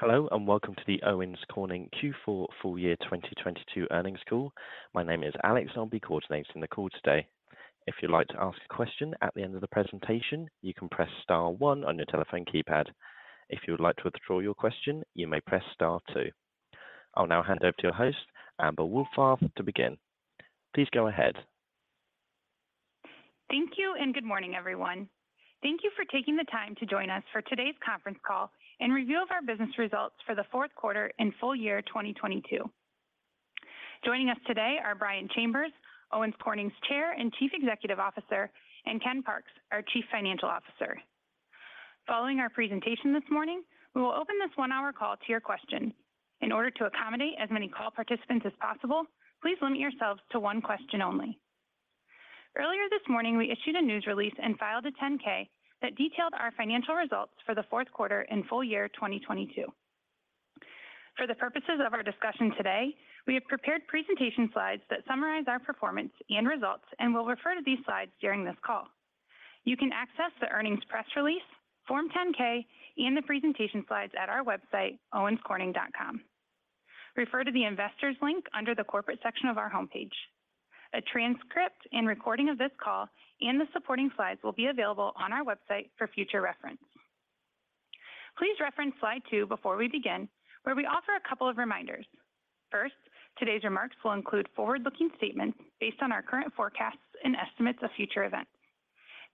Hello, welcome to the Owens Corning Q4 Full Year 2022 earnings call. My name is Alex. I'll be coordinating the call today. If you'd like to ask a question at the end of the presentation, you can press star one on your telephone keypad. If you would like to withdraw your question, you may press star two. I'll now hand over to your host, Amber Wohlfarth, to begin. Please go ahead. Thank you. Good morning, everyone. Thank you for taking the time to join us for today's conference call in review of our business results for the fourth quarter and full year 2022. Joining us today are Brian Chambers, Owens Corning's Chair and Chief Executive Officer, and Ken Parks, our Chief Financial Officer. Following our presentation this morning, we will open this one-hour call to your questions. In order to accommodate as many call participants as possible, please limit yourselves to 1 question only. Earlier this morning, we issued a news release and filed a 10-K that detailed our financial results for the fourth quarter and full year 2022. For the purposes of our discussion today, we have prepared presentation slides that summarize our performance and results and will refer to these slides during this call. You can access the earnings press release, form 10-K, and the presentation slides at our website, owenscorning.com. Refer to the Investors link under the Corporate section of our homepage. A transcript and recording of this call and the supporting slides will be available on our website for future reference. Please reference slide 2 before we begin, where we offer a couple of reminders. First, today's remarks will include forward-looking statements based on our current forecasts and estimates of future events.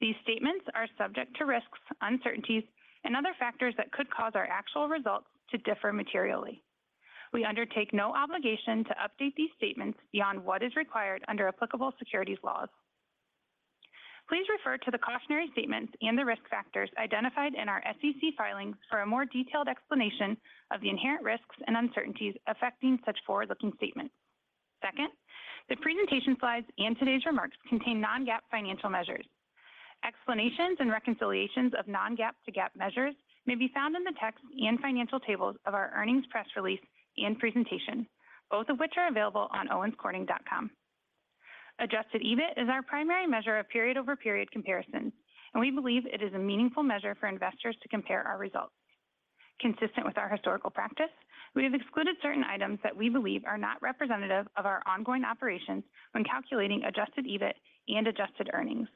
These statements are subject to risks, uncertainties, and other factors that could cause our actual results to differ materially. We undertake no obligation to update these statements beyond what is required under applicable securities laws. Please refer to the cautionary statements and the risk factors identified in our SEC filings for a more detailed explanation of the inherent risks and uncertainties affecting such forward-looking statements. The presentation slides and today's remarks contain non-GAAP financial measures. Explanations and reconciliations of non-GAAP to GAAP measures may be found in the text and financial tables of our earnings press release and presentation, both of which are available on owenscorning.com. Adjusted EBIT is our primary measure of period-over-period comparison, and we believe it is a meaningful measure for investors to compare our results. Consistent with our historical practice, we have excluded certain items that we believe are not representative of our ongoing operations when calculating adjusted EBIT and adjusted earnings.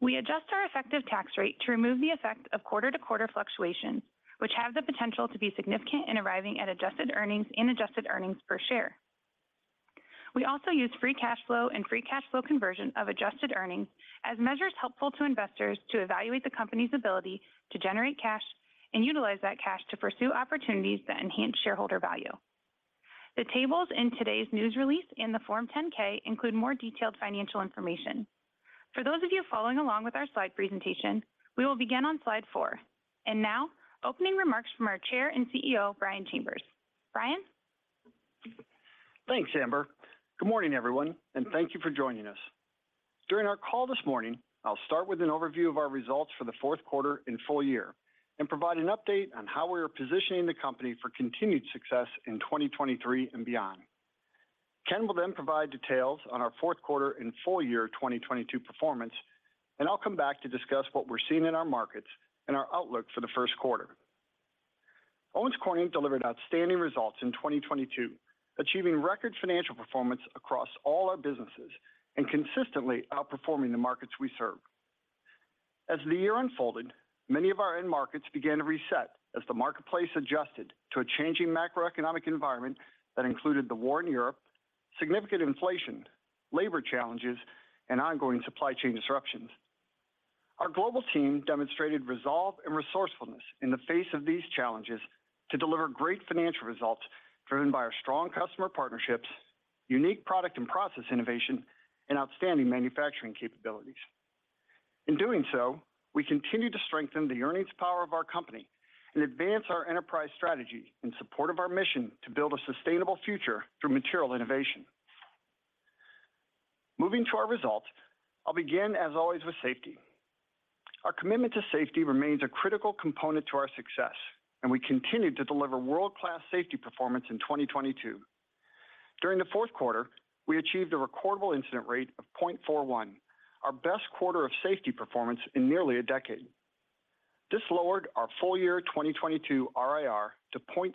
We adjust our effective tax rate to remove the effect of quarter-to-quarter fluctuations, which have the potential to be significant in arriving at adjusted earnings and adjusted earnings per share. We also use free cash flow and free cash flow conversion of adjusted earnings as measures helpful to investors to evaluate the company's ability to generate cash and utilize that cash to pursue opportunities that enhance shareholder value. The tables in today's news release in the form 10-K include more detailed financial information. For those of you following along with our slide presentation, we will begin on slide 4. Now, opening remarks from our Chair and CEO, Brian Chambers. Brian. Thanks, Amber. Good morning, everyone, and thank you for joining us. During our call this morning, I'll start with an overview of our results for the fourth quarter and full year and provide an update on how we are positioning the company for continued success in 2023 and beyond. Ken will then provide details on our fourth quarter and full year 2022 performance, and I'll come back to discuss what we're seeing in our markets and our outlook for the first quarter. Owens Corning delivered outstanding results in 2022, achieving record financial performance across all our businesses and consistently outperforming the markets we serve. As the year unfolded, many of our end markets began to reset as the marketplace adjusted to a changing macroeconomic environment that included the war in Europe, significant inflation, labor challenges, and ongoing supply chain disruptions. Our global team demonstrated resolve and resourcefulness in the face of these challenges to deliver great financial results driven by our strong customer partnerships, unique product and process innovation, and outstanding manufacturing capabilities. We continue to strengthen the earnings power of our company and advance our enterprise strategy in support of our mission to build a sustainable future through material innovation. Moving to our results, I'll begin, as always, with safety. Our commitment to safety remains a critical component to our success, and we continued to deliver world-class safety performance in 2022. During the fourth quarter, we achieved a recordable incident rate of 0.41, our best quarter of safety performance in nearly a decade. This lowered our full year 2022 RIR to 0.65,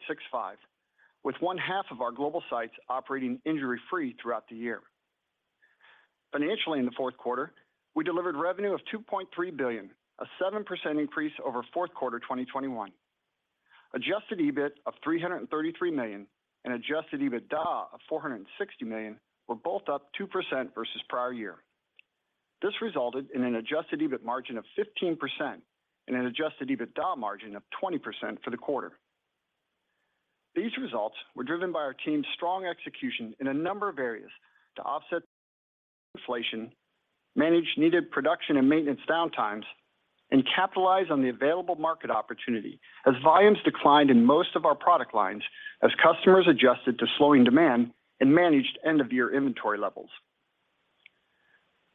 with one-half of our global sites operating injury-free throughout the year. Financially, in the fourth quarter, we delivered revenue of $2.3 billion, a 7% increase over fourth quarter 2021. Adjusted EBIT of $333 million and adjusted EBITDA of $460 million were both up 2% versus prior year. This resulted in an adjusted EBIT margin of 15% and an adjusted EBITDA margin of 20% for the quarter. These results were driven by our team's strong execution in a number of areas to offset inflation, manage needed production and maintenance downtimes, and capitalize on the available market opportunity as volumes declined in most of our product lines as customers adjusted to slowing demand and managed end-of-year inventory levels.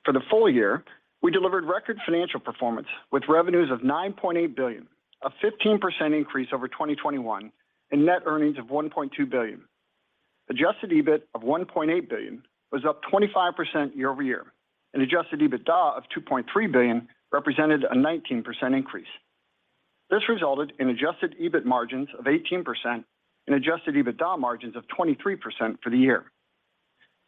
For the full year, we delivered record financial performance with revenues of $9.8 billion, a 15% increase over 2021, and net earnings of $1.2 billion. Adjusted EBIT of $1.8 billion was up 25% year-over-year, and adjusted EBITDA of $2.3 billion represented a 19% increase. This resulted in adjusted EBIT margins of 18% and adjusted EBITDA margins of 23% for the year.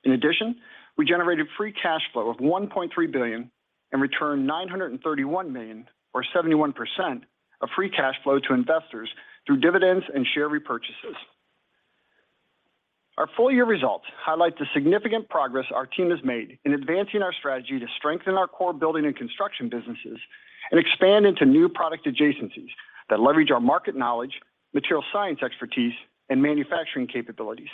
In addition, we generated free cash flow of $1.3 billion and returned $931 million or 71% of free cash flow to investors through dividends and share repurchases. Our full year results highlight the significant progress our team has made in advancing our strategy to strengthen our core building and construction businesses and expand into new product adjacencies that leverage our market knowledge, material science expertise, and manufacturing capabilities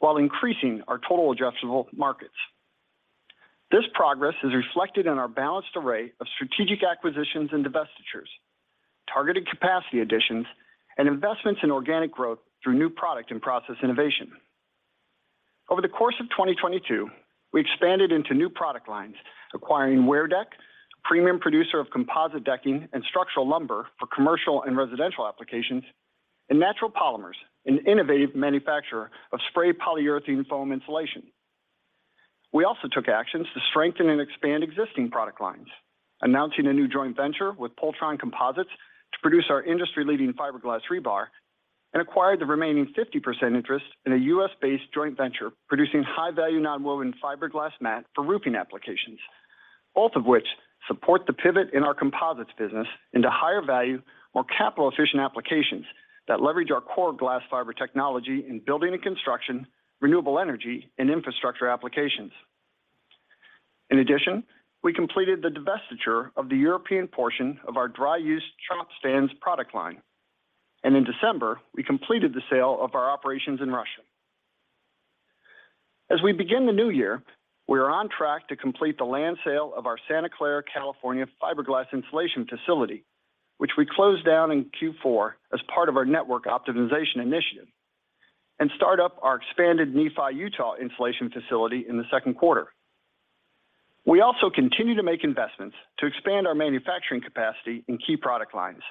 while increasing our total addressable markets. This progress is reflected in our balanced array of strategic acquisitions and divestitures, targeted capacity additions, and investments in organic growth through new product and process innovation. Over the course of 2022, we expanded into new product lines, acquiring WearDeck, premium producer of composite decking and structural lumber for commercial and residential applications, and Natural Polymers, an innovative manufacturer of spray polyurethane foam insulation. We also took actions to strengthen and expand existing product lines, announcing a new joint venture with Pultron Composites to produce our industry-leading fiberglass rebar and acquired the remaining 50% interest in a U.S.-based joint venture producing high-value nonwoven fiberglass mat for roofing applications, both of which support the pivot in our composites business into higher value, more capital efficient applications that leverage our core glass fiber technology in building and construction, renewable energy and infrastructure applications. In addition, we completed the divestiture of the European portion of our dry-use chopped strands product line. In December, we completed the sale of our operations in Russia. As we begin the new year, we are on track to complete the land sale of our Santa Clara, California, fiberglass insulation facility, which we closed down in Q4 as part of our network optimization initiative, and start up our expanded Nephi, Utah, insulation facility in the second quarter. We also continue to make investments to expand our manufacturing capacity in key product lines.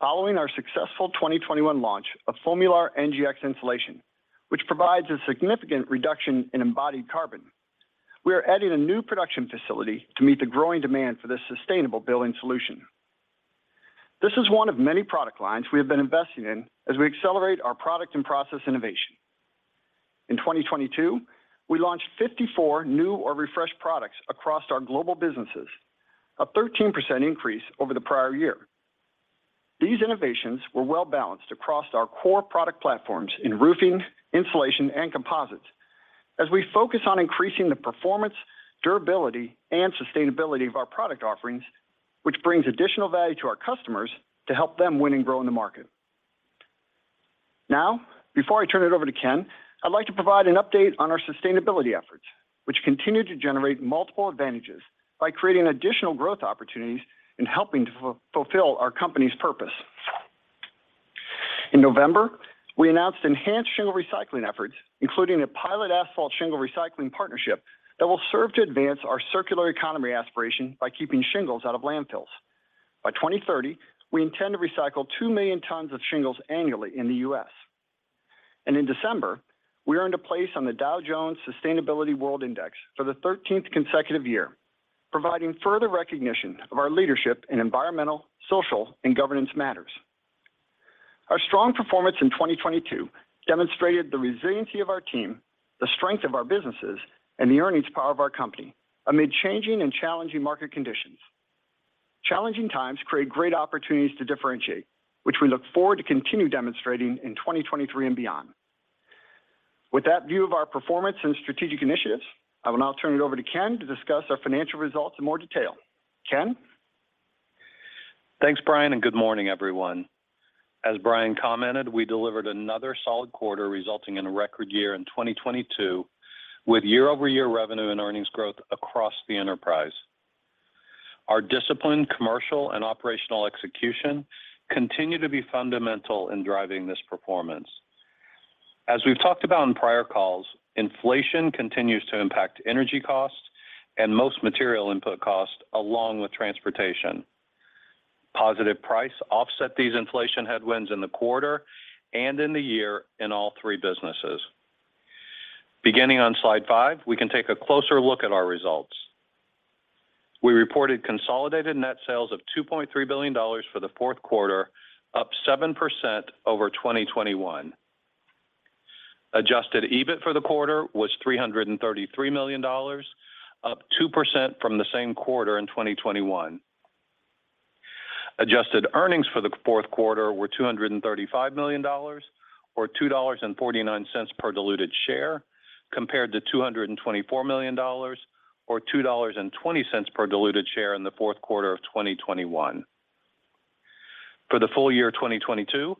Following our successful 2021 launch of FOAMULAR NGX insulation, which provides a significant reduction in embodied carbon, we are adding a new production facility to meet the growing demand for this sustainable building solution. This is one of many product lines we have been investing in as we accelerate our product and process innovation. In 2022, we launched 54 new or refreshed products across our global businesses, a 13% increase over the prior year. These innovations were well-balanced across our core product platforms in roofing, insulation, and composites as we focus on increasing the performance, durability, and sustainability of our product offerings, which brings additional value to our customers to help them win and grow in the market. Before I turn it over to Ken, I'd like to provide an update on our sustainability efforts, which continue to generate multiple advantages by creating additional growth opportunities and helping to fulfill our company's purpose. In November, we announced enhanced shingle recycling efforts, including a pilot asphalt shingle recycling partnership that will serve to advance our circular economy aspiration by keeping shingles out of landfills. By 2030, we intend to recycle 2 million tons of shingles annually in the U.S. In December, we earned a place on the Dow Jones Sustainability World Index for the 13th consecutive year, providing further recognition of our leadership in environmental, social, and governance matters. Our strong performance in 2022 demonstrated the resiliency of our team, the strength of our businesses, and the earnings power of our company amid changing and challenging market conditions. Challenging times create great opportunities to differentiate, which we look forward to continue demonstrating in 2023 and beyond. With that view of our performance and strategic initiatives, I will now turn it over to Ken to discuss our financial results in more detail. Ken. Thanks, Brian. Good morning, everyone. As Brian commented, we delivered another solid quarter resulting in a record year in 2022 with year-over-year revenue and earnings growth across the enterprise. Our disciplined commercial and operational execution continue to be fundamental in driving this performance. As we've talked about on prior calls, inflation continues to impact energy costs and most material input costs along with transportation. Positive price offset these inflation headwinds in the quarter and in the year in all three businesses. Beginning on slide 5, we can take a closer look at our results. We reported consolidated net sales of $2.3 billion for the fourth quarter, up 7% over 2021. Adjusted EBIT for the quarter was $333 million, up 2% from the same quarter in 2021. Adjusted earnings for the fourth quarter were $235 million or $2.49 per diluted share, compared to $224 million or $2.20 per diluted share in the fourth quarter of 2021. For the full year of 2022,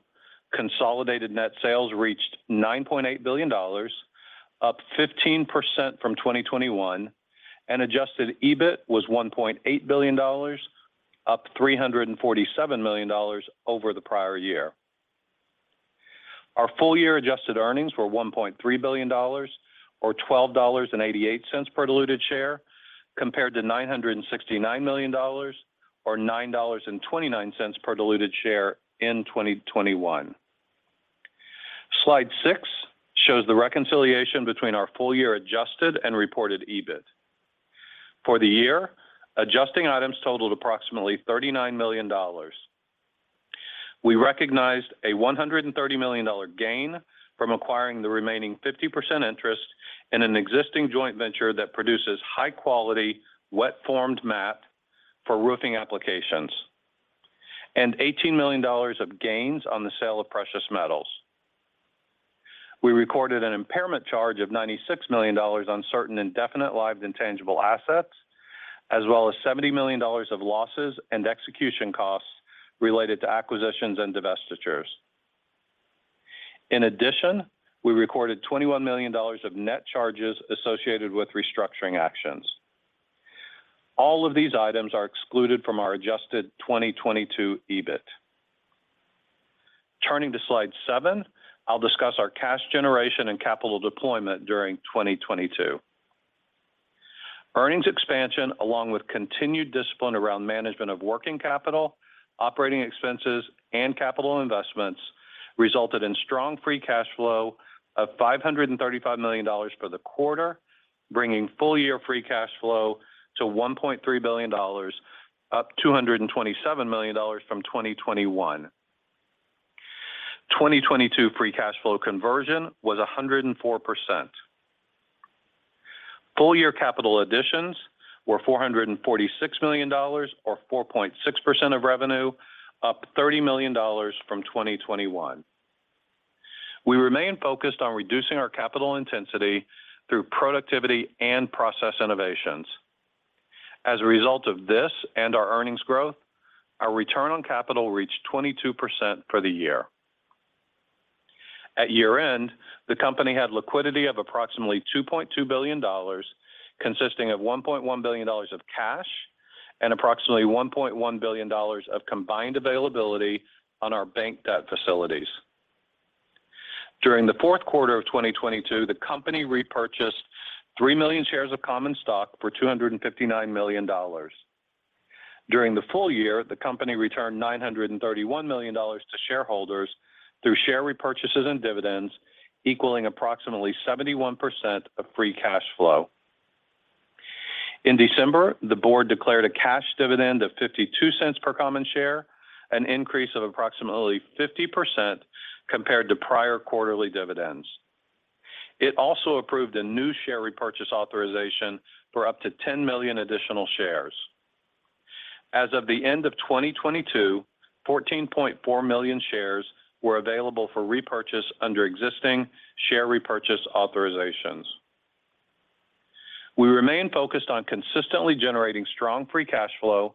consolidated net sales reached $9.8 billion, up 15% from 2021, and adjusted EBIT was $1.8 billion, up $347 million over the prior year. Our full year adjusted earnings were $1.3 billion or $12.88 per diluted share compared to $969 million or $9.29 per diluted share in 2021. Slide six shows the reconciliation between our full year adjusted and reported EBIT. For the year, adjusting items totaled approximately $39 million. We recognized a $130 million gain from acquiring the remaining 50% interest in an existing joint venture that produces high quality wet-formed mat for roofing applications, and $18 million of gains on the sale of precious metals. We recorded an impairment charge of $96 million on certain indefinite-lived intangible assets, as well as $70 million of losses and execution costs related to acquisitions and divestitures. In addition, we recorded $21 million of net charges associated with restructuring actions. All of these items are excluded from our adjusted 2022 EBIT. Turning to slide seven, I'll discuss our cash generation and capital deployment during 2022. Earnings expansion, along with continued discipline around management of working capital, operating expenses, and capital investments, resulted in strong free cash flow of $535 million for the quarter, bringing full year free cash flow to $1.3 billion, up $227 million from 2021. 2022 free cash flow conversion was 104%. Full year capital additions were $446 million or 4.6% of revenue, up $30 million from 2021. We remain focused on reducing our capital intensity through productivity and process innovations. As a result of this and our earnings growth, our return on capital reached 22% for the year. At year-end, the company had liquidity of approximately $2.2 billion, consisting of $1.1 billion of cash and approximately $1.1 billion of combined availability on our bank debt facilities. During the fourth quarter of 2022, the company repurchased 3 million shares of common stock for $259 million. During the full year, the company returned $931 million to shareholders through share repurchases and dividends, equaling approximately 71% of free cash flow. In December, the board declared a cash dividend of $0.52 per common share, an increase of approximately 50% compared to prior quarterly dividends. It also approved a new share repurchase authorization for up to 10 million additional shares. As of the end of 2022, 14.4 million shares were available for repurchase under existing share repurchase authorizations. We remain focused on consistently generating strong free cash flow,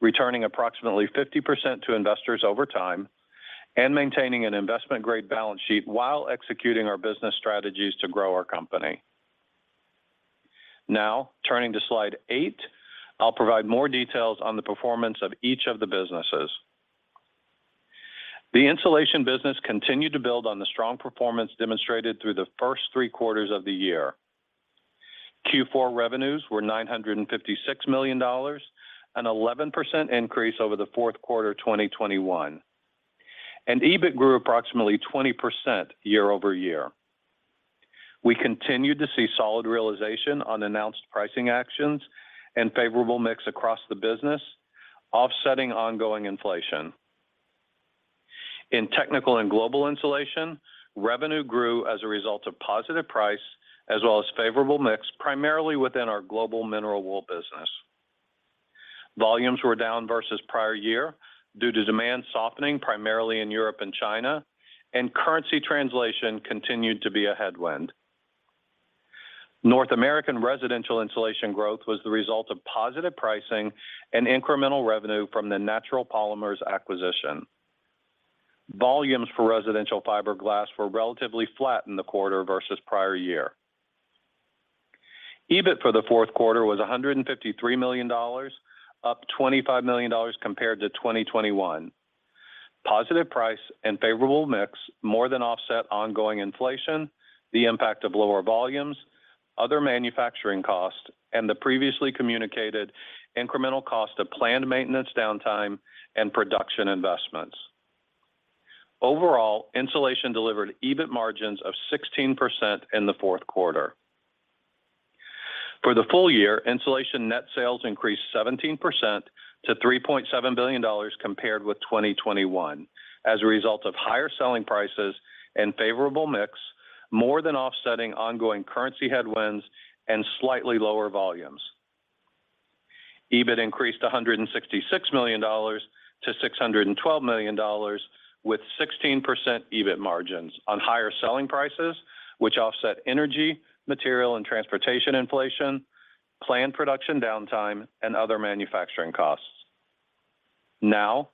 returning approximately 50% to investors over time, and maintaining an investment-grade balance sheet while executing our business strategies to grow our company. Now, turning to slide 8, I'll provide more details on the performance of each of the businesses. The insulation business continued to build on the strong performance demonstrated through the first three quarters of the year. Q4 revenues were $956 million, an 11% increase over the fourth quarter 2021, and EBIT grew approximately 20% year-over-year. We continued to see solid realization on announced pricing actions and favorable mix across the business, offsetting ongoing inflation. In Technical and Global Insulation, revenue grew as a result of positive price as well as favorable mix, primarily within our global mineral wool business. Volumes were down versus prior year due to demand softening primarily in Europe and China, and currency translation continued to be a headwind. North American Residential Insulation growth was the result of positive pricing and incremental revenue from the Natural Polymers acquisition. Volumes for residential fiberglass were relatively flat in the quarter versus prior year. EBIT for the fourth quarter was $153 million, up $25 million compared to 2021. Positive price and favorable mix more than offset ongoing inflation, the impact of lower volumes, other manufacturing costs, and the previously communicated incremental cost of planned maintenance downtime and production investments. Overall, Insulation delivered EBIT margins of 16% in the fourth quarter. For the full year, Insulation net sales increased 17% to $3.7 billion compared with 2021 as a result of higher selling prices and favorable mix, more than offsetting ongoing currency headwinds and slightly lower volumes. EBIT increased $166 million to $612 million with 16% EBIT margins on higher selling prices, which offset energy, material, and transportation inflation, planned production downtime, and other manufacturing costs. Now,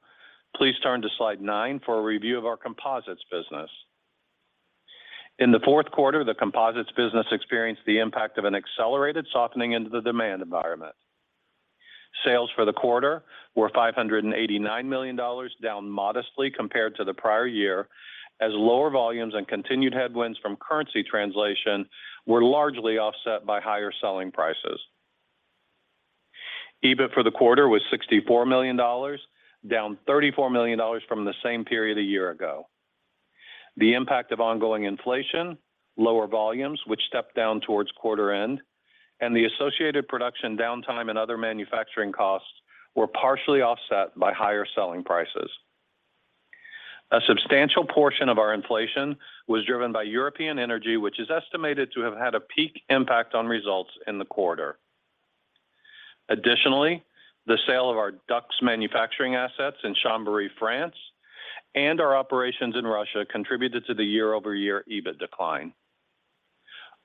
please turn to Slide 9 for a review of our Composites business. In the fourth quarter, the Composites business experienced the impact of an accelerated softening into the demand environment. Sales for the quarter were $589 million, down modestly compared to the prior year, as lower volumes and continued headwinds from currency translation were largely offset by higher selling prices. EBIT for the quarter was $64 million, down $34 million from the same period a year ago. The impact of ongoing inflation, lower volumes which stepped down towards quarter end, and the associated production downtime and other manufacturing costs were partially offset by higher selling prices. A substantial portion of our inflation was driven by European energy, which is estimated to have had a peak impact on results in the quarter. Additionally, the sale of our DUCS manufacturing assets in Chambéry, France, and our operations in Russia contributed to the year-over-year EBIT decline.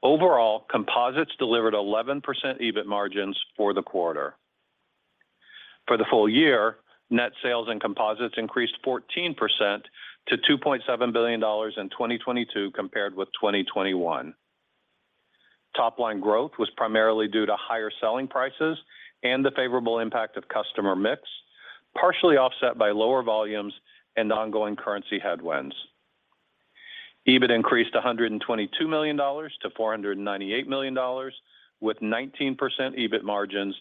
Overall, Composites delivered 11% EBIT margins for the quarter. For the full year, net sales and composites increased 14% to $2.7 billion in 2022 compared with 2021. Top-line growth was primarily due to higher selling prices and the favorable impact of customer mix, partially offset by lower volumes and ongoing currency headwinds. EBIT increased $122 million to $498 million, with 19% EBIT margins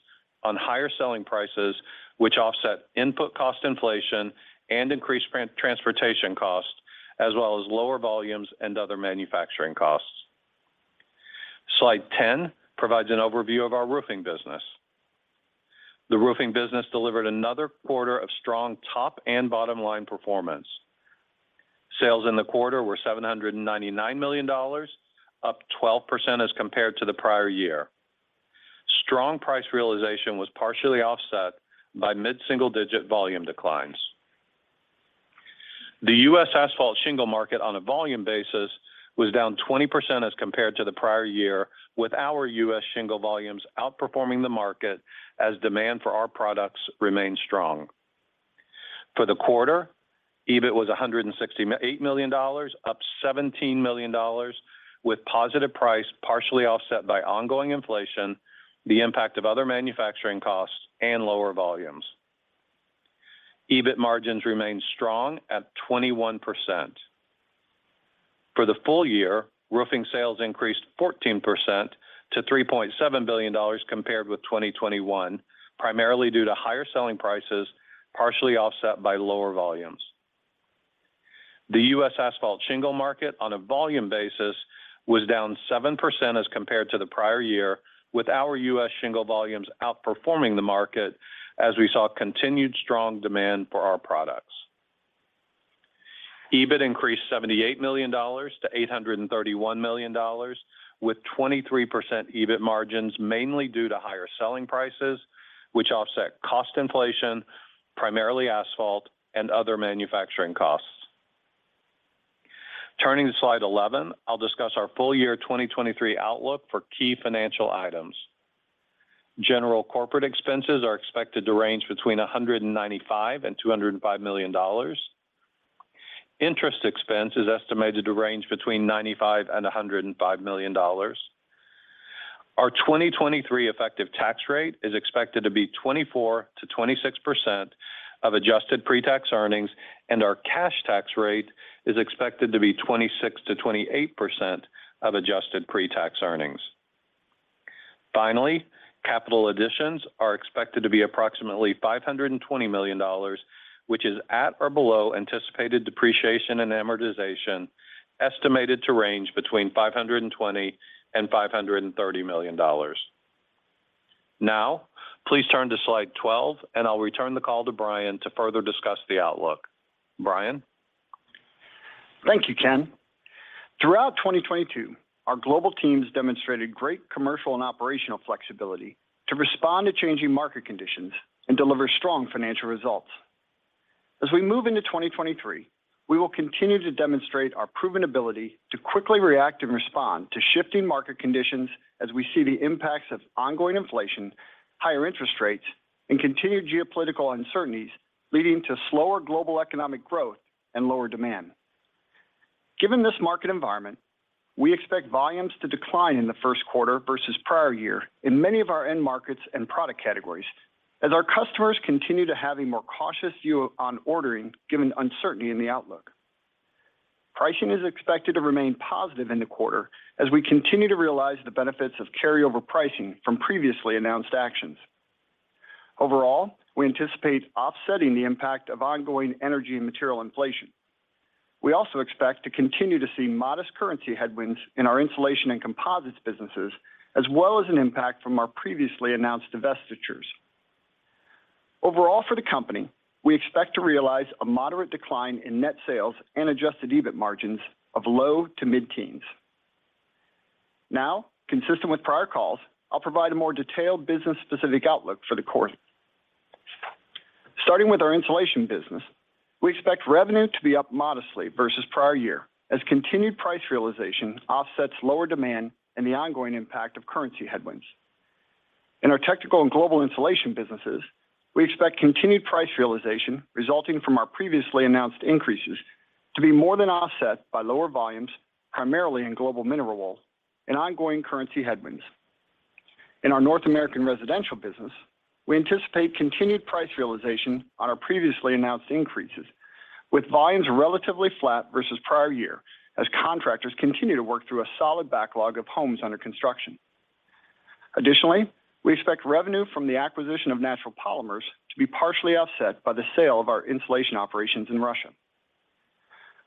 on higher selling prices, which offset input cost inflation and increased transportation costs, as well as lower volumes and other manufacturing costs. Slide 10 provides an overview of our Roofing business. The Roofing business delivered another quarter of strong top and bottom-line performance. Sales in the quarter were $799 million, up 12% as compared to the prior year. Strong price realization was partially offset by mid-single-digit volume declines. The US asphalt shingle market on a volume basis was down 20% as compared to the prior year, with our US shingle volumes outperforming the market as demand for our products remained strong. For the quarter, EBIT was $168 million, up $17 million, with positive price partially offset by ongoing inflation, the impact of other manufacturing costs and lower volumes. EBIT margins remained strong at 21%. For the full year, Roofing sales increased 14% to $3.7 billion compared with 2021, primarily due to higher selling prices, partially offset by lower volumes. The US asphalt shingle market on a volume basis was down 7% as compared to the prior year, with our US shingle volumes outperforming the market as we saw continued strong demand for our products. EBIT increased $78 million to $831 million, with 23% EBIT margins mainly due to higher selling prices, which offset cost inflation, primarily asphalt and other manufacturing costs. Turning to slide 11, I'll discuss our full year 2023 outlook for key financial items. General corporate expenses are expected to range between $195 million and $205 million. Interest expense is estimated to range between $95 million and $105 million. Our 2023 effective tax rate is expected to be 24%-26% of adjusted pre-tax earnings, and our cash tax rate is expected to be 26%-28% of adjusted pre-tax earnings. Capital additions are expected to be approximately $520 million, which is at or below anticipated depreciation and amortization, estimated to range between $520 million and $530 million. Please turn to slide 12, and I'll return the call to Brian to further discuss the outlook. Brian? Thank you, Ken. Throughout 2022, our global teams demonstrated great commercial and operational flexibility to respond to changing market conditions and deliver strong financial results. As we move into 2023, we will continue to demonstrate our proven ability to quickly react and respond to shifting market conditions as we see the impacts of ongoing inflation, higher interest rates, and continued geopolitical uncertainties leading to slower global economic growth and lower demand. Given this market environment, we expect volumes to decline in the 1st quarter versus prior year in many of our end markets and product categories as our customers continue to have a more cautious view on ordering, given uncertainty in the outlook. Pricing is expected to remain positive in the quarter as we continue to realize the benefits of carryover pricing from previously announced actions. Overall, we anticipate offsetting the impact of ongoing energy and material inflation. We also expect to continue to see modest currency headwinds in our Insulation and Composites businesses, as well as an impact from our previously announced divestitures. Overall, for the company, we expect to realize a moderate decline in net sales and adjusted EBIT margins of low to mid-teens. Consistent with prior calls, I'll provide a more detailed business specific outlook for the quarter. Starting with our Insulation business, we expect revenue to be up modestly versus prior year as continued price realization offsets lower demand and the ongoing impact of currency headwinds. In our Technical and Global Insulation businesses, we expect continued price realization resulting from our previously announced increases. To be more than offset by lower volumes, primarily in global mineral wool and ongoing currency headwinds. In our North American residential business, we anticipate continued price realization on our previously announced increases, with volumes relatively flat versus prior year as contractors continue to work through a solid backlog of homes under construction. Additionally, we expect revenue from the acquisition of Natural Polymers to be partially offset by the sale of our insulation operations in Russia.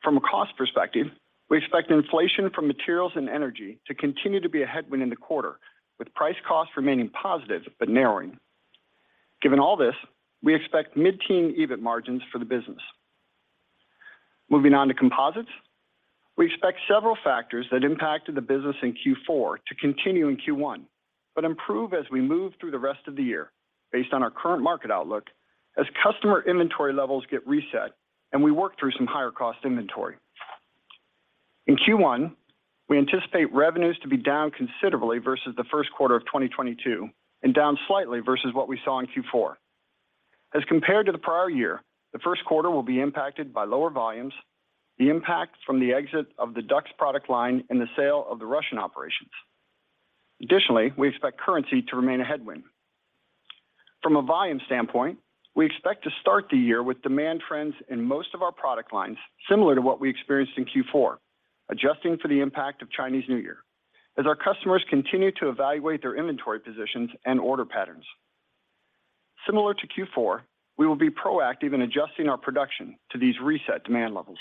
From a cost perspective, we expect inflation from materials and energy to continue to be a headwind in the quarter, with price costs remaining positive but narrowing. Given all this, we expect mid-teen EBIT margins for the business. Moving on to composites. We expect several factors that impacted the business in Q4 to continue in Q1, but improve as we move through the rest of the year, based on our current market outlook, as customer inventory levels get reset and we work through some higher cost inventory. In Q1, we anticipate revenues to be down considerably versus the first quarter of 2022 and down slightly versus what we saw in Q4. As compared to the prior year, the first quarter will be impacted by lower volumes, the impact from the exit of the DUCS product line and the sale of the Russian operations. We expect currency to remain a headwind. From a volume standpoint, we expect to start the year with demand trends in most of our product lines similar to what we experienced in Q4, adjusting for the impact of Chinese New Year, as our customers continue to evaluate their inventory positions and order patterns. Similar to Q4, we will be proactive in adjusting our production to these reset demand levels.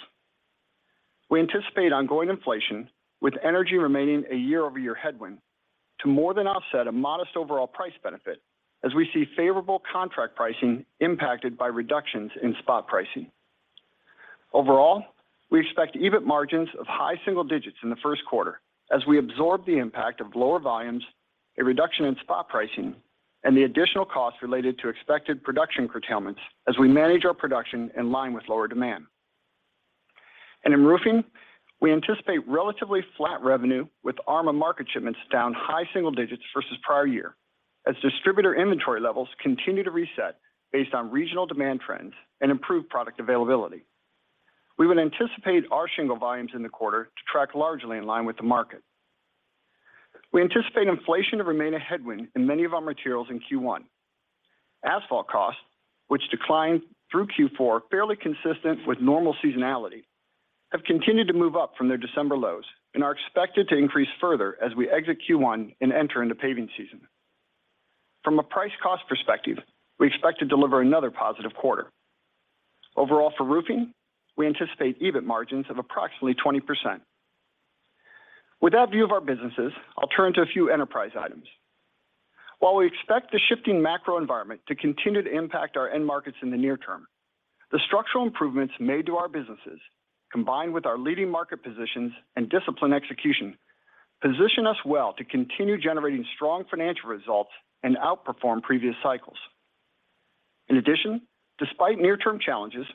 We anticipate ongoing inflation, with energy remaining a year-over-year headwind, to more than offset a modest overall price benefit as we see favorable contract pricing impacted by reductions in spot pricing. Overall, we expect EBIT margins of high single digits in the first quarter as we absorb the impact of lower volumes, a reduction in spot pricing, and the additional costs related to expected production curtailments as we manage our production in line with lower demand. In roofing, we anticipate relatively flat revenue with ARMA and market shipments down high single digits versus prior year, as distributor inventory levels continue to reset based on regional demand trends and improved product availability. We would anticipate our shingle volumes in the quarter to track largely in line with the market. We anticipate inflation to remain a headwind in many of our materials in Q1. Asphalt costs, which declined through Q4 fairly consistent with normal seasonality, have continued to move up from their December lows and are expected to increase further as we exit Q1 and enter into paving season. From a price cost perspective, we expect to deliver another positive quarter. Overall, for roofing, we anticipate EBIT margins of approximately 20%. With that view of our businesses, I'll turn to a few enterprise items. While we expect the shifting macro environment to continue to impact our end markets in the near term, the structural improvements made to our businesses, combined with our leading market positions and disciplined execution, position us well to continue generating strong financial results and outperform previous cycles. In addition, despite near-term challenges,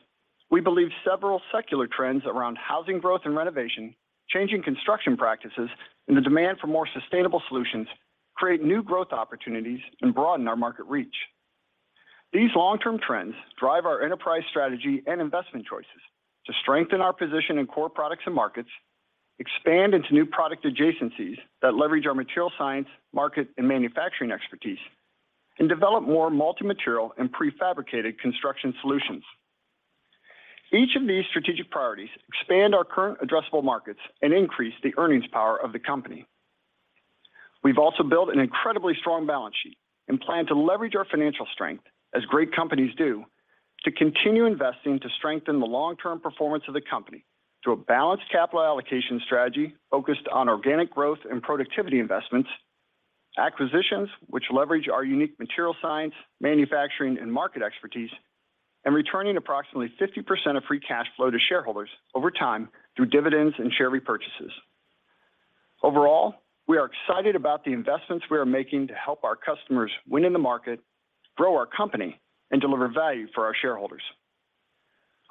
we believe several secular trends around housing growth and renovation, changing construction practices, and the demand for more sustainable solutions create new growth opportunities and broaden our market reach. These long-term trends drive our enterprise strategy and investment choices to strengthen our position in core products and markets, expand into new product adjacencies that leverage our material science, market, and manufacturing expertise, and develop more multi-material and prefabricated construction solutions. Each of these strategic priorities expand our current addressable markets and increase the earnings power of the company. We've also built an incredibly strong balance sheet and plan to leverage our financial strength, as great companies do, to continue investing to strengthen the long-term performance of the company through a balanced capital allocation strategy focused on organic growth and productivity investments, acquisitions which leverage our unique material science, manufacturing, and market expertise, and returning approximately 50% of free cash flow to shareholders over time through dividends and share repurchases. Overall, we are excited about the investments we are making to help our customers win in the market, grow our company, and deliver value for our shareholders.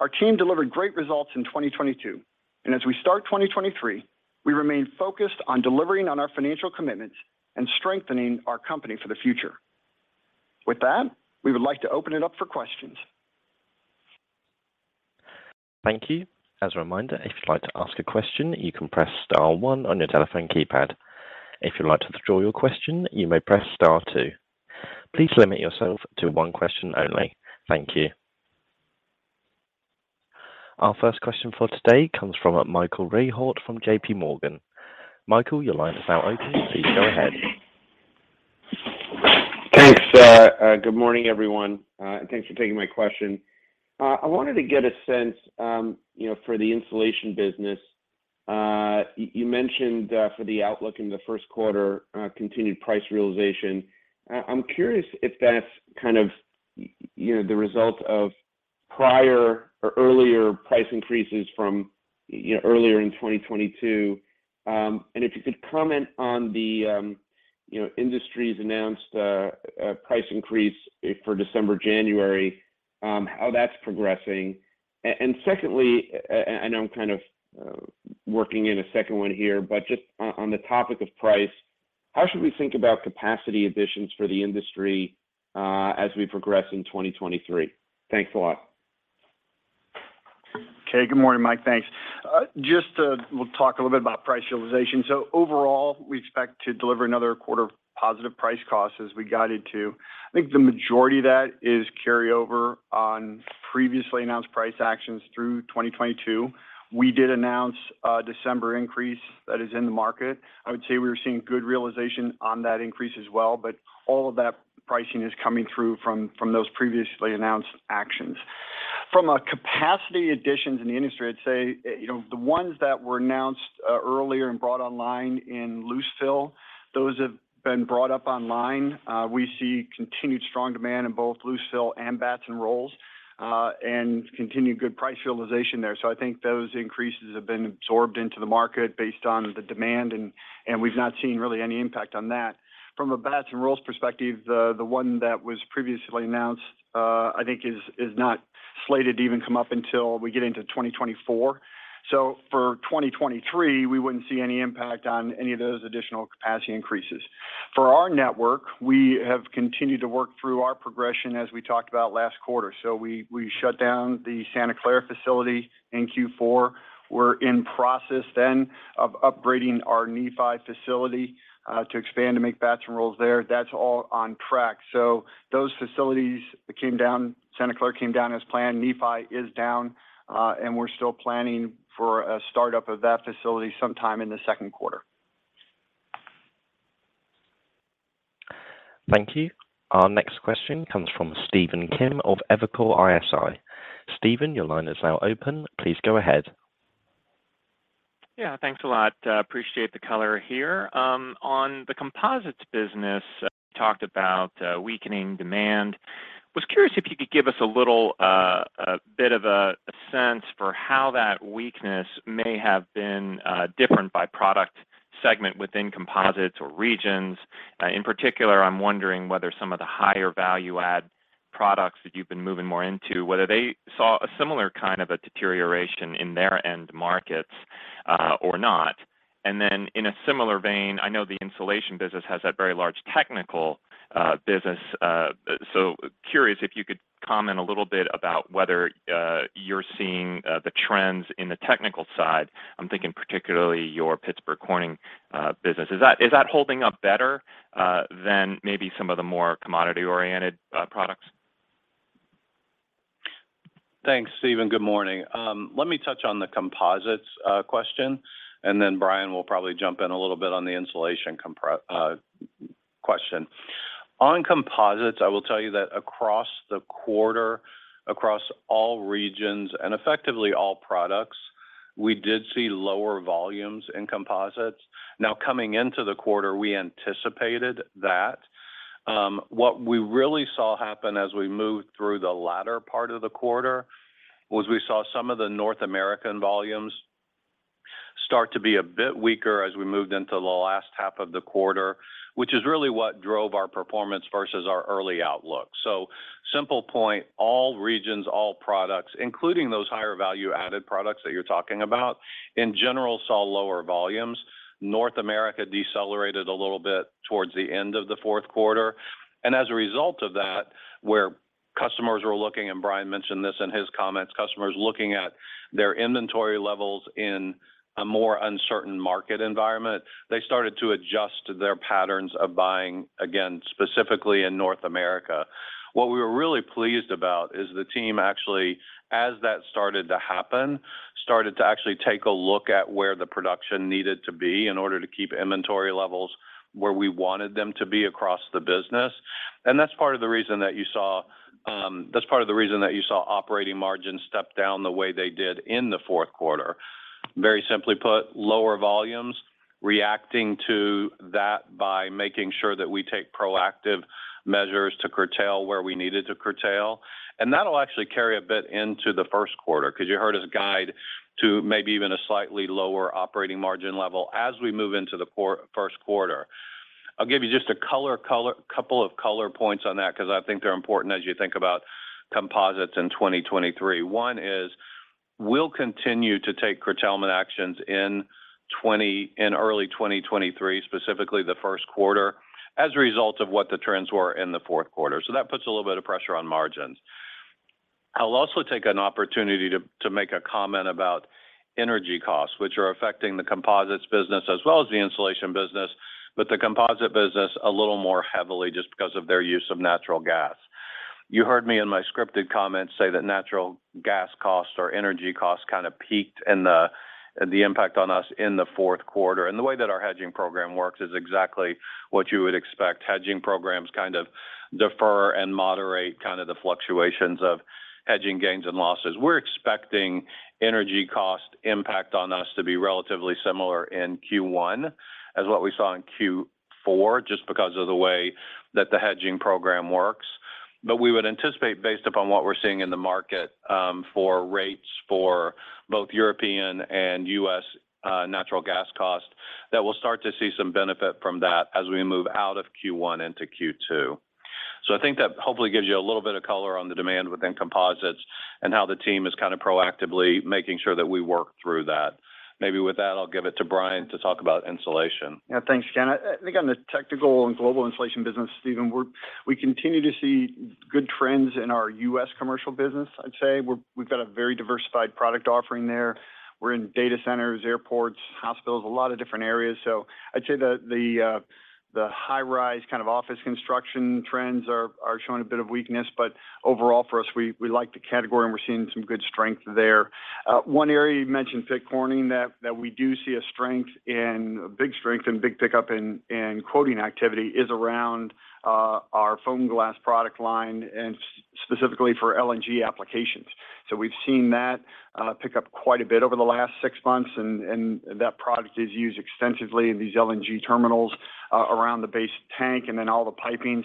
Our team delivered great results in 2022, and as we start 2023, we remain focused on delivering on our financial commitments and strengthening our company for the future. With that, we would like to open it up for questions. Thank you. As a reminder, if you'd like to ask a question, you can press star one on your telephone keypad. If you'd like to withdraw your question, you may press star two. Please limit yourself to one question only. Thank you. Our first question for today comes from Michael Rehaut from JP Morgan. Michael, your line is now open. Please go ahead. Thanks. Good morning, everyone, thanks for taking my question. I wanted to get a sense, you know, for the insulation business. You mentioned for the outlook in the first quarter, continued price realization. I'm curious if that's kind of, you know, the result of prior or earlier price increases from, you know, earlier in 2022. If you could comment on the, you know, industry's announced price increase for December, January, how that's progressing. Secondly, and I know I'm kind of working in a second one here, but just on the topic of price, how should we think about capacity additions for the industry as we progress in 2023? Thanks a lot. Okay. Good morning, Mike Dahl. Thanks. We'll talk a little bit about price realization. Overall, we expect to deliver another quarter of positive price costs as we guided to. I think the majority of that is carryover on previously announced price actions through 2022. We did announce a December increase that is in the market. I would say we were seeing good realization on that increase as well, but all of that pricing is coming through from those previously announced actions. From a capacity additions in the industry, I'd say, you know, the ones that were announced earlier, and brought online in Luceville, those have been brought up online. We see continued strong demand in both Luceville and batts and rolls, and continued good price realization there. I think those increases have been absorbed into the market based on the demand, and we've not seen really any impact on that. From a batts and rolls perspective, the one that was previously announced, I think is not slated to even come up until we get into 2024. For 2023, we wouldn't see any impact on any of those additional capacity increases. For our network, we have continued to work through our progression as we talked about last quarter. We shut down the Santa Clara facility in Q4. We're in process then of upgrading our Nephi facility to expand to make batts and rolls there. That's all on track. Those facilities came down. Santa Clara came down as planned. Nephi is down, we're still planning for a startup of that facility sometime in the second quarter. Thank you. Our next question comes from Stephen Kim of Evercore ISI. Steven, your line is now open. Please go ahead. Yeah, thanks a lot. Appreciate the color here. On the composites business, talked about weakening demand. Was curious if you could give us a little, a bit of a sense for how that weakness may have been different by product segment within composites or regions? In particular, I'm wondering whether some of the higher value add products that you've been moving more into, whether they saw a similar kind of a deterioration in their end markets, or not? In a similar vein, I know the insulation business has that very large technical business. So curious if you could comment a little bit about whether you're seeing the trends in the technical side? I'm thinking particularly your Pittsburgh Corning business. Is that holding up better than maybe some of the more commodity-oriented products? Thanks, Stephen. Good morning. Let me touch on the composites question. Brian will probably jump in a little bit on the insulation question. On composites, I will tell you that across the quarter, across all regions and effectively all products, we did see lower volumes in composites. Coming into the quarter, we anticipated that. What we really saw happen as we moved through the latter part of the quarter was we saw some of the North American volumes start to be a bit weaker as we moved into the last half of the quarter, which is really what drove our performance versus our early outlook. Simple point, all regions, all products, including those higher value added products that you're talking about, in general, saw lower volumes. North America decelerated a little bit towards the end of the fourth quarter. As a result of that, where customers were looking, and Brian mentioned this in his comments, customers looking at their inventory levels in a more uncertain market environment, they started to adjust their patterns of buying, again, specifically in North America. What we were really pleased about is the team actually, as that started to happen, started to actually take a look at where the production needed to be in order to keep inventory levels where we wanted them to be across the business. That's part of the reason that you saw, that's part of the reason that you saw operating margins step down the way they did in the fourth quarter. Very simply put, lower volumes reacting to that by making sure that we take proactive measures to curtail where we needed to curtail. That'll actually carry a bit into the first quarter 'cause you heard us guide to maybe even a slightly lower operating margin level as we move into the first quarter. I'll give you just a couple of color points on that 'cause I think they're important as you think about composites in 2023. One is we'll continue to take curtailment actions in early 2023, specifically the first quarter as a result of what the trends were in the fourth quarter. That puts a little bit of pressure on margins. I'll also take an opportunity to make a comment about energy costs, which are affecting the composites business as well as the insulation business, but the composite business a little more heavily just because of their use of natural gas. You heard me in my scripted comments say that natural gas costs or energy costs kind of peaked in the impact on us in the fourth quarter. The way that our hedging program works is exactly what you would expect. Hedging programs kind of defer and moderate kind of the fluctuations of hedging gains and losses. We're expecting energy cost impact on us to be relatively similar in Q1 as what we saw in Q4, just because of the way that the hedging program works. We would anticipate based upon what we're seeing in the market, for rates for both European and U.S. natural gas costs, that we'll start to see some benefit from that as we move out of Q1 into Q2. I think that hopefully gives you a little bit of color on the demand within composites and how the team is kinda proactively making sure that we work through that. Maybe with that, I'll give it to Bryan to talk about insulation. Thanks, Ken. I think on the technical and global insulation business, Stephen, we continue to see good trends in our U.S. commercial business, I'd say. We've got a very diversified product offering there. We're in data centers, airports, hospitals, a lot of different areas. I'd say the high-rise kind of office construction trends are showing a bit of weakness. Overall for us, we like the category, and we're seeing some good strength there. One area you mentioned, Pittsburgh Corning, that we do see a big strength and big pickup in quoting activity is around our FOAMGLAS product line and specifically for LNG applications. We've seen that pick up quite a bit over the last six months, and that product is used extensively in these LNG terminals around the base tank and then all the piping.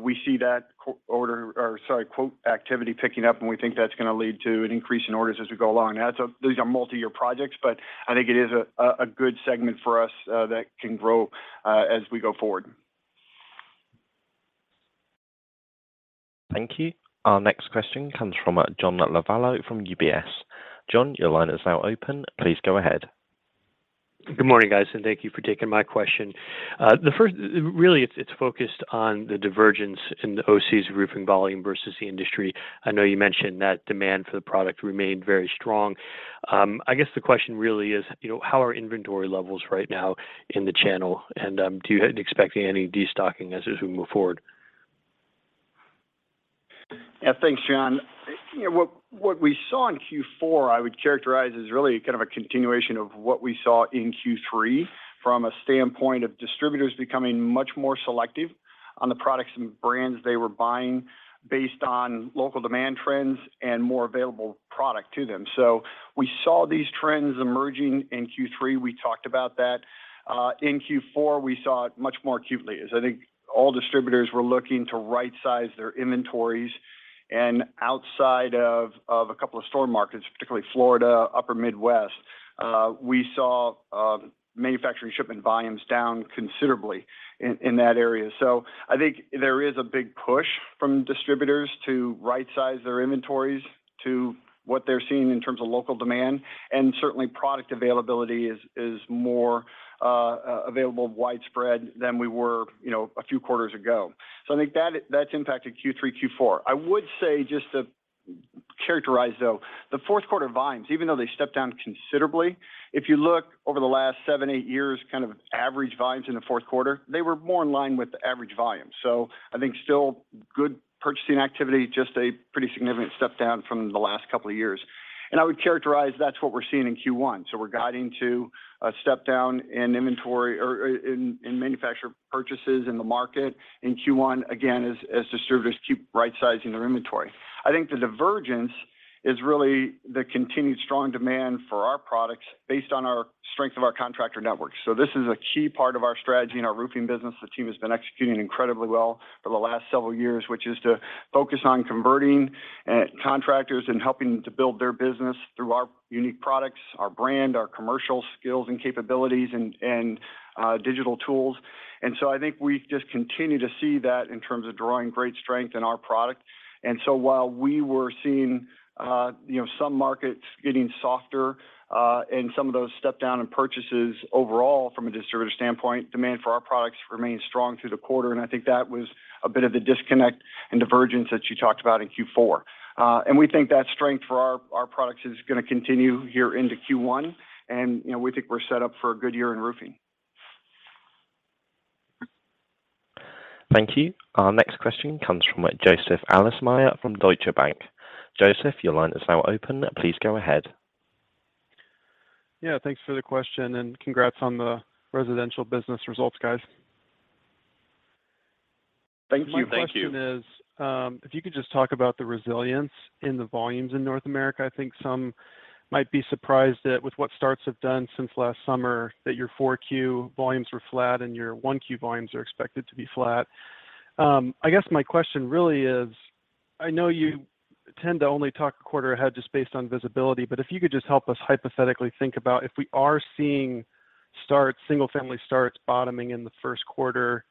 We see that quote activity picking up, and we think that's gonna lead to an increase in orders as we go along. These are multi-year projects, but I think it is a good segment for us that can grow as we go forward. Thank you. Our next question comes from John Lovallo from UBS. John, your line is now open. Please go ahead. Good morning, guys, and thank you for taking my question. Really it's focused on the divergence in the OC's roofing volume versus the industry. I know you mentioned that demand for the product remained very strong. I guess the question really is, you know, how are inventory levels right now in the channel, and do you expect any destocking as we move forward? Yeah. Thanks, John. You know what we saw in Q4, I would characterize as really kind of a continuation of what we saw in Q3 from a standpoint of distributors becoming much more selective on the products and brands they were buying based on local demand trends and more available product to them. We saw these trends emerging in Q3. We talked about that. In Q4, we saw it much more acutely as I think all distributors were looking to right-size their inventories. Outside of a couple of storm markets, particularly Florida, upper Midwest, we saw manufacturing shipment volumes down considerably in that area. I think there is a big push from distributors to right-size their inventories to what they're seeing in terms of local demand. Certainly, product availability is more available widespread than we were, you know, a few quarters ago. I think that's impacted Q3, Q4. I would say just to characterize, though, the fourth quarter volumes, even though they stepped down considerably, if you look over the last seven, eight years kind of average volumes in the fourth quarter, they were more in line with the average volume. I think still good purchasing activity, just a pretty significant step down from the last couple of years. I would characterize that's what we're seeing in Q1. We're guiding to a step down in inventory or in manufacturer purchases in the market in Q1, again, as distributors keep rightsizing their inventory. I think the divergence is really the continued strong demand for our products based on our strength of our contractor network. This is a key part of our strategy in our roofing business the team has been executing incredibly well for the last several years, which is to focus on converting contractors and helping to build their business through our unique products, our brand, our commercial skills and capabilities and digital tools. I think I just continue to see that in terms of drawing great strength in our product. While we were seeing, you know, some markets getting softer, and some of those step down in purchases overall from a distributor standpoint, demand for our products remained strong through the quarter, and I think that was a bit of the disconnect and divergence that you talked about in Q4. We think that strength for our products is gonna continue here into Q1, and, you know, we think we're set up for a good year in roofing. Thank you. Our next question comes from Joseph Ahlersmeyer from Deutsche Bank. Joseph, your line is now open. Please go ahead. Yeah. Thanks for the question, and congrats on the residential business results, guys. Thank you. Thank you. My question is, if you could just talk about the resilience in the volumes in North America. I think some might be surprised that with what starts have done since last summer, that your four Q volumes were flat and your one Q volumes are expected to be flat. I guess my question really is, I know you tend to only talk a quarter ahead just based on visibility, but if you could just help us hypothetically think about if we are seeing starts, single-family starts bottoming in the first quarter,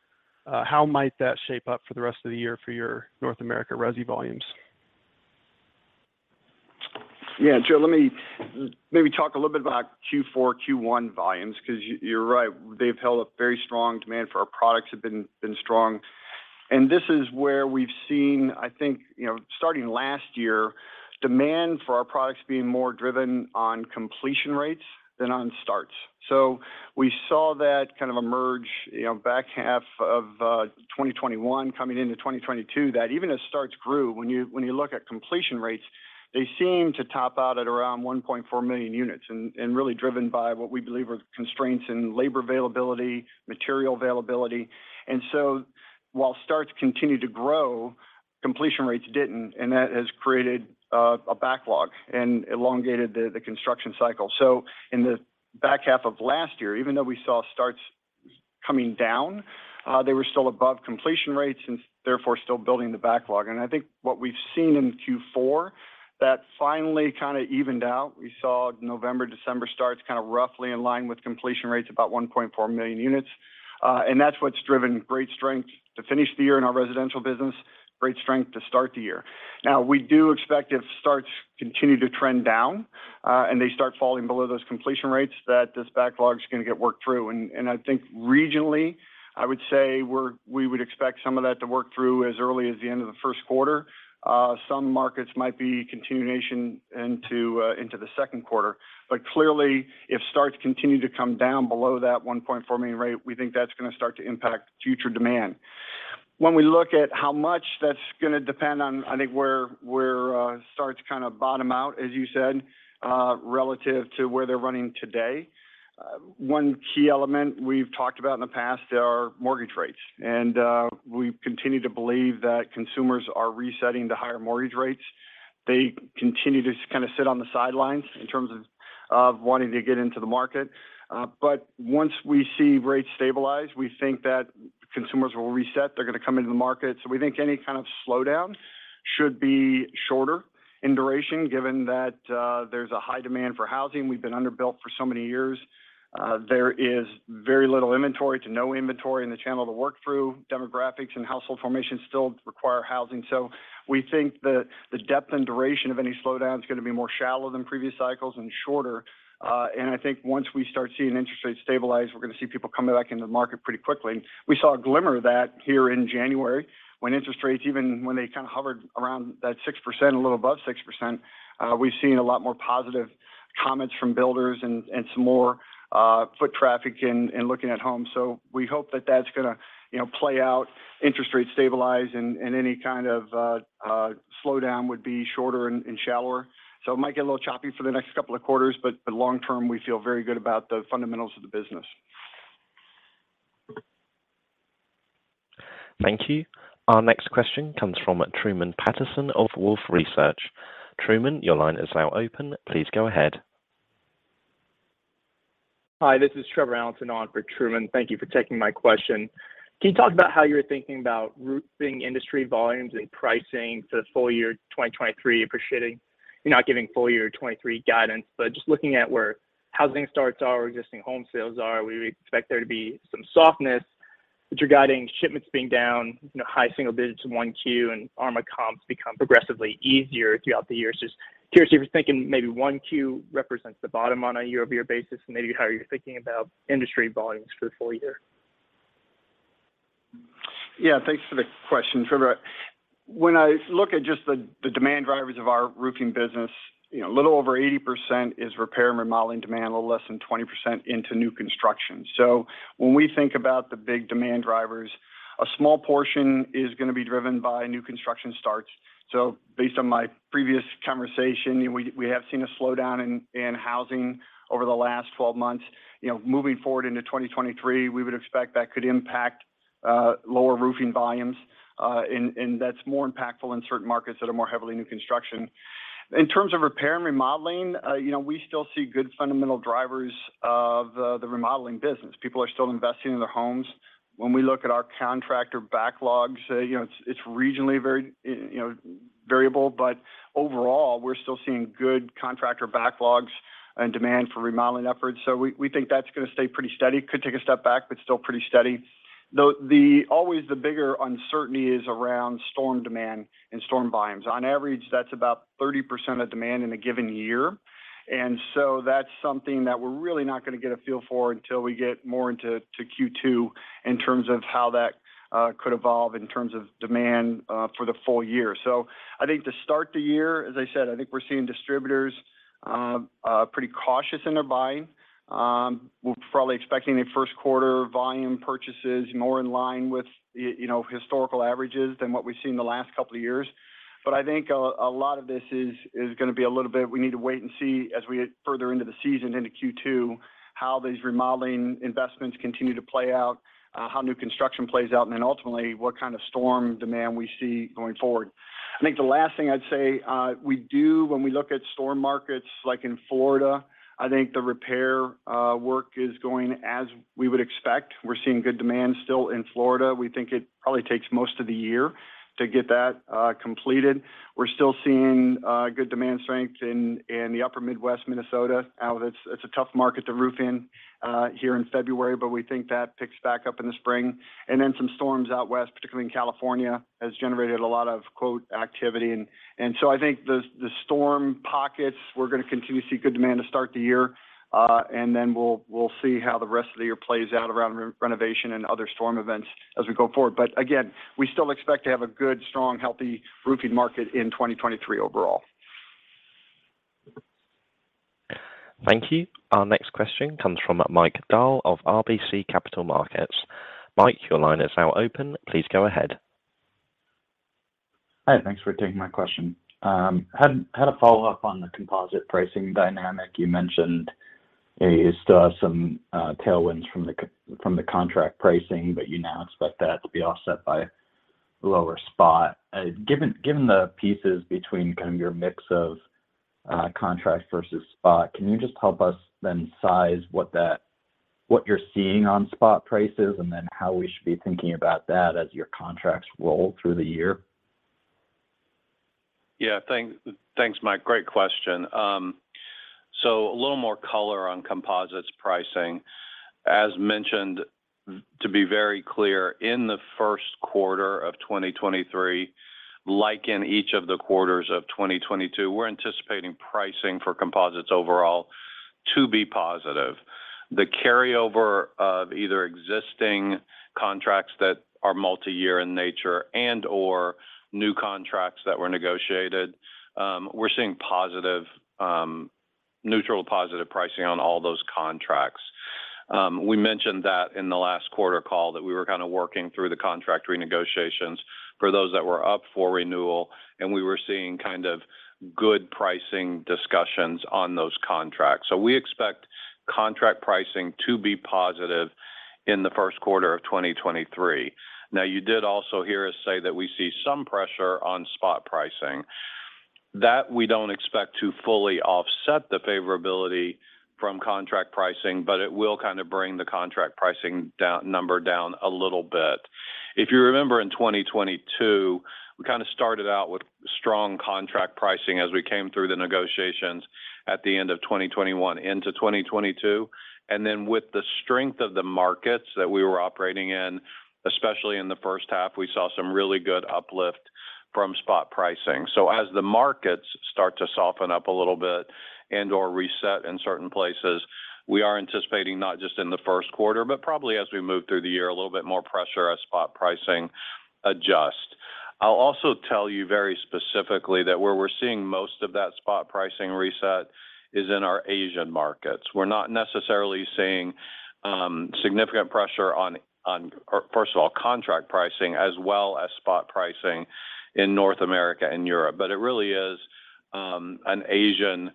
how might that shape up for the rest of the year for your North America resi volumes? Yeah. Joe, let me maybe talk a little bit about Q4, Q1 volumes 'cause you're right. They've held a very strong demand for our products, have been strong. This is where we've seen, I think, you know, starting last year, demand for our products being more driven on completion rates than on starts. We saw that kind of emerge, you know, back half of 2021 coming into 2022, that even as starts grew, when you look at completion rates, they seem to top out at around 1.4 million units and really driven by what we believe are constraints in labor availability, material availability. While starts continued to grow, completion rates didn't, and that has created a backlog and elongated the construction cycle. In the back half of last year, even though we saw starts coming down, they were still above completion rates and therefore still building the backlog. I think what we've seen in Q4. That finally kind of evened out. We saw November, December starts kind of roughly in line with completion rates about 1.4 million units. That's what's driven great strength to finish the year in our residential business, great strength to start the year. Now, we do expect if starts continue to trend down, and they start falling below those completion rates, that this backlog's gonna get worked through. I think regionally, I would say we would expect some of that to work through as early as the end of the first quarter. Some markets might be continuation into the second quarter. Clearly, if starts continue to come down below that 1.4 million rate, we think that's gonna start to impact future demand. When we look at how much that's gonna depend on, I think where starts kinda bottom out, as you said, relative to where they're running today. One key element we've talked about in the past are mortgage rates. We continue to believe that consumers are resetting to higher mortgage rates. They continue to just kinda sit on the sidelines in terms of wanting to get into the market. Once we see rates stabilize, we think that consumers will reset. They're gonna come into the market. We think any kind of slowdown should be shorter in duration given that there's a high demand for housing. We've been underbuilt for so many years. There is very little inventory to no inventory in the channel to work through. Demographics and household formation still require housing. We think the depth and duration of any slowdown is gonna be more shallow than previous cycles and shorter. I think once we start seeing interest rates stabilize, we're gonna see people coming back into the market pretty quickly. We saw a glimmer of that here in January when interest rates, even when they kinda hovered around that 6%, a little above 6%, we've seen a lot more positive comments from builders and some more foot traffic in looking at homes. We hope that that's gonna, you know, play out, interest rates stabilize and any kind of slowdown would be shorter and shallower. It might get a little choppy for the next 2 quarters, but long term, we feel very good about the fundamentals of the business. Thank you. Our next question comes from Truman Patterson of Wolfe Research. Truman, your line is now open. Please go ahead. Hi, this is Truman Allinson on for Truman. Thank you for taking my question. Can you talk about how you're thinking about roofing industry volumes and pricing for the full year 2023, appreciating? You're not giving full year '23 guidance, but just looking at where housing starts are, existing home sales are, we would expect there to be some softness with regarding shipments being down, you know, high single digits in 1Q, and ARMA comps become progressively easier throughout the years. Just curious if you're thinking maybe 1Q represents the bottom on a year-over-year basis, and maybe how you're thinking about industry volumes for the full year. Yeah. Thanks for the question, Trevor. When I look at just the demand drivers of our roofing business, you know, a little over 80% is repair and remodeling demand, a little less than 20% into new construction. When we think about the big demand drivers, a small portion is gonna be driven by new construction starts. Based on my previous conversation, you know, we have seen a slowdown in housing over the last 12 months. You know, moving forward into 2023, we would expect that could impact lower roofing volumes, and that's more impactful in certain markets that are more heavily new construction. In terms of repair and remodeling, you know, we still see good fundamental drivers of the remodeling business. People are still investing in their homes. When we look at our contractor backlogs, you know, it's regionally very, you know, variable. Overall, we're still seeing good contractor backlogs and demand for remodeling efforts. We think that's gonna stay pretty steady. Could take a step back, but still pretty steady. Always the bigger uncertainty is around storm demand and storm volumes. On average, that's about 30% of demand in a given year. That's something that we're really not gonna get a feel for until we get more into Q2 in terms of how that could evolve in terms of demand for the full year. I think to start the year, as I said, I think we're seeing distributors prettycautious in their buying. We're probably expecting a first quarter volume purchases more in line with, you know, historical averages than what we've seen in the last couple of years. I think a lot of this is gonna be a little bit we need to wait and see as we get further into the season into Q2, how these remodeling investments continue to play out, how new construction plays out, and then ultimately, what kind of storm demand we see going forward. The last thing I'd say, we do when we look at storm markets like in Florida, I think the repair work is going as we would expect. We're seeing good demand still in Florida. We think it probably takes most of the year to get that completed. We're still seeing good demand strength in the upper Midwest, Minnesota. It's a tough market to roof in here in February. We think that picks back up in the spring. Then some storms out west, particularly in California, has generated a lot of quote activity. So I think the storm pockets, we're gonna continue to see good demand to start the year, and then we'll see how the rest of the year plays out around re-renovation and other storm events as we go forward. Again, we still expect to have a good, strong, healthy roofing market in 2023 overall. Thank you. Our next question comes from Mike Dahl of RBC Capital Markets. Mike, your line is now open. Please go ahead. Hi. Thanks for taking my question. Had a follow-up on the composite pricing dynamic. You mentioned you still have some tailwinds from the contract pricing, but you now expect that to be offset by lower spot. Given the pieces between kind of your mix of Contract versus spot. Can you just help us then size what that, what you're seeing on spot prices, and then how we should be thinking about that as your contracts roll through the year? Thanks, Mike. Great question. A little more color on composites pricing. As mentioned, to be very clear, in the first quarter of 2023, like in each of the quarters of 2022, we're anticipating pricing for composites overall to be positive. The carryover of either existing contracts that are multi-year in nature and/or new contracts that were negotiated, we're seeing positive, neutral to positive pricing on all those contracts. We mentioned that in the last quarter call that we were kinda working through the contract renegotiations for those that were up for renewal, and we were seeing kind of good pricing discussions on those contracts. We expect contract pricing to be positive in the first quarter of 2023. You did also hear us say that we see some pressure on spot pricing. That, we don't expect to fully offset the favorability from contract pricing, but it will kind of bring the contract pricing down, number down a little bit. If you remember in 2022, we kinda started out with strong contract pricing as we came through the negotiations at the end of 2021 into 2022. With the strength of the markets that we were operating in, especially in the first half, we saw some really good uplift from spot pricing. As the markets start to soften up a little bit and/or reset in certain places, we are anticipating, not just in the first quarter, but probably as we move through the year, a little bit more pressure as spot pricing adjust. I'll also tell you very specifically that where we're seeing most of that spot pricing reset is in our Asian markets. We're not necessarily seeing significant pressure on, or first of all, contract pricing as well as spot pricing in North America and Europe. It really is an Asian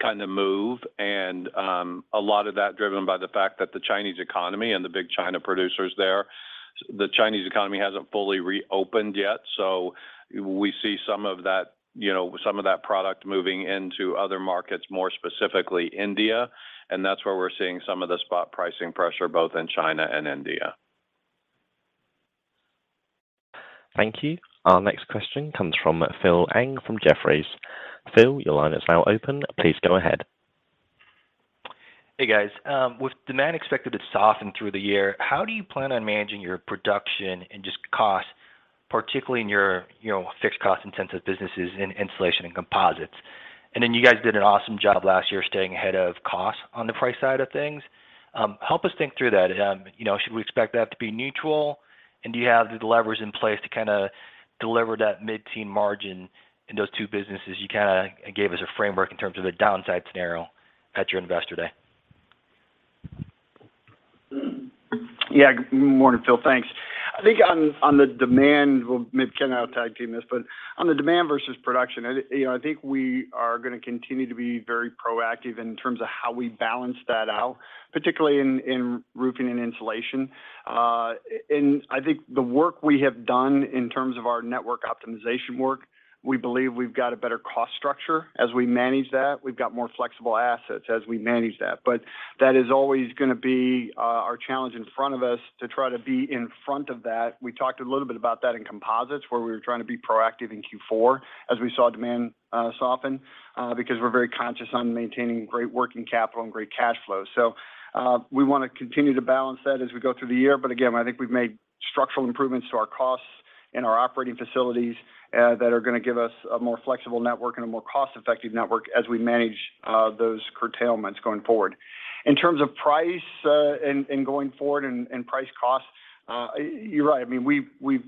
kind of move and a lot of that driven by the fact that the Chinese economy and the big China producers there. The Chinese economy hasn't fully reopened yet, so we see some of that, you know, some of that product moving into other markets, more specifically India, and that's where we're seeing some of the spot pricing pressure, both in China and India. Thank you. Our next question comes from Phil Ng from Jefferies. Phil, your line is now open. Please go ahead. Hey, guys. With demand expected to soften through the year, how do you plan on managing your production and just cost, particularly in your, you know, fixed cost-intensive businesses in insulation and composites? You guys did an awesome job last year staying ahead of cost on the price side of things. Help us think through that. You know, should we expect that to be neutral? Do you have the levers in place to kinda deliver that mid-teen margin in those two businesses? You kinda gave us a framework in terms of the downside scenario at your Investor Day. Morning, Phil. Thanks. I think on the demand, well, maybe Ken and I will tag team this, but on the demand versus production, I, you know, I think we are gonna continue to be very proactive in terms of how we balance that out, particularly in roofing and insulation. And I think the work we have done in terms of our network optimization work, we believe we've got a better cost structure as we manage that. We've got more flexible assets as we manage that. That is always gonna be our challenge in front of us to try to be in front of that. We talked a little bit about that in composites, where we were trying to be proactive in Q4 as we saw demand soften, because we're very conscious on maintaining great working capital and great cash flow. We wanna continue to balance that as we go through the year. Again, I think we've made structural improvements to our costs and our operating facilities that are gonna give us a more flexible network and a more cost-effective network as we manage those curtailments going forward. In terms of price and going forward and price cost, you're right. I mean, we've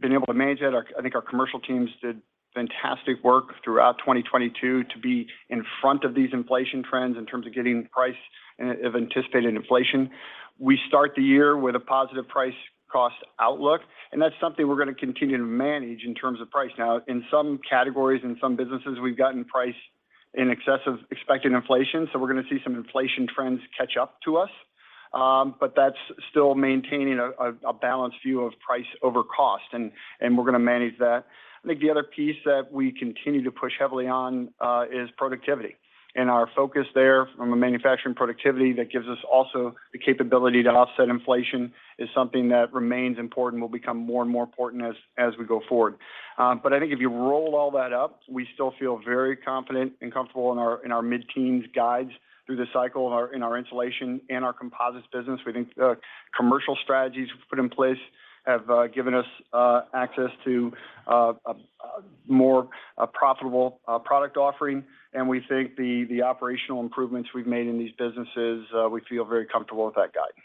been able to manage that. Our, I think our commercial teams did fantastic work throughout 2022 to be in front of these inflation trends in terms of getting price of anticipated inflation. We start the year with a positive price cost outlook, and that's something we're gonna continue to manage in terms of price. In some categories, in some businesses, we've gotten price in excess of expected inflation, so we're gonna see some inflation trends catch up to us. That's still maintaining a balanced view of price over cost, and we're gonna manage that. I think the other piece that we continue to push heavily on is productivity. Our focus there from a manufacturing productivity that gives us also the capability to offset inflation is something that remains important, will become more and more important as we go forward. I think if you roll all that up, we still feel very confident and comfortable in our mid-teens guides through this cycle in our insulation and our composites business. We think the commercial strategies we've put in place have given us access to a more profitable product offering. We think the operational improvements we've made in these businesses, we feel very comfortable with that guide.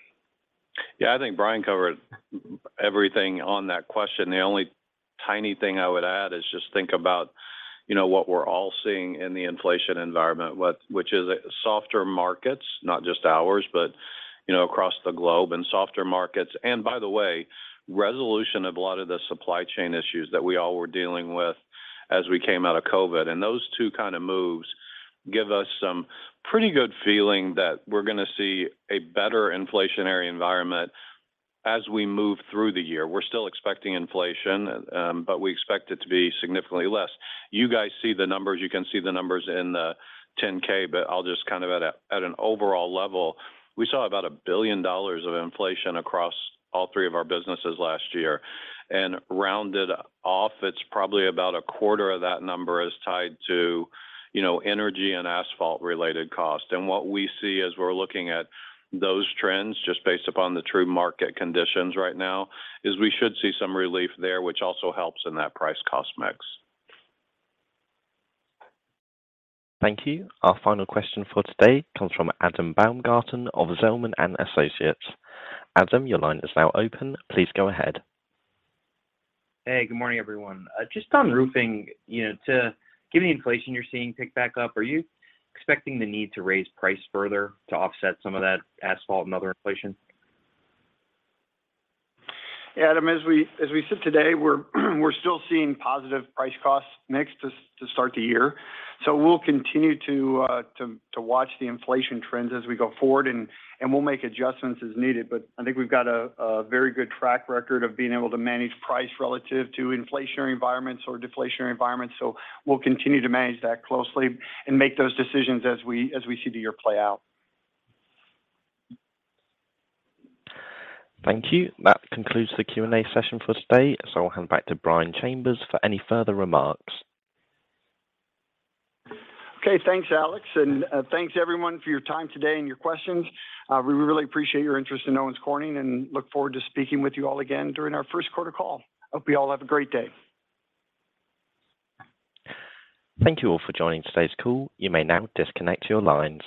Yeah. I think Brian covered everything on that question. The only tiny thing I would add is just think about, you know, what we're all seeing in the inflation environment, which is softer markets. Not just ours, but you know, across the globe. Softer markets. By the way, resolution of a lot of the supply chain issues that we all were dealing with as we came out of COVID, and those two kinda moveGive us some pretty good feeling that we're gonna see a better inflationary environment as we move through the year. We're still expecting inflation. We expect it to be significantly less. You guys see the numbers. You can see the numbers in the 10-K. I'll just kind of at a, at an overall level, we saw about $1 billion of inflation across all three of our businesses last year. Rounded off, it's probably about a quarter of that number is tied to, you know, energy and asphalt related cost. What we see as we're looking at those trends just based upon the true market conditions right now, is we should see some relief there, which also helps in that price cost mix. Thank you. Our final question for today comes from Adam Baumgarten of Zelman & Associates. Adam, your line is now open. Please go ahead. Hey, good morning, everyone. Just on roofing, you know, to give me the inflation you're seeing pick back up, are you expecting the need to raise price further to offset some of that asphalt and other inflation? Adam, as we sit today, we're still seeing positive price cost mix to start the year. We'll continue to watch the inflation trends as we go forward, and we'll make adjustments as needed. I think we've got a very good track record of being able to manage price relative to inflationary environments or deflationary environments. We'll continue to manage that closely and make those decisions as we see the year play out. Thank you. That concludes the Q&A session for today. I'll hand back to Brian Chambers for any further remarks. Okay. Thanks Alex, thanks everyone for your time today and your questions. We really appreciate your interest in Owens Corning and look forward to speaking with you all again during our first quarter call. Hope you all have a great day. Thank you all for joining today's call. You may now disconnect your lines